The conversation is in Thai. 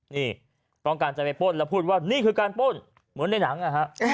นี่ต้องการจะไปป้นแล้วพูดว่านี่คือการป้นเหมือนในหนังนะฮะ